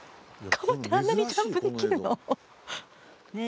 カバってあんなにジャンプできるの？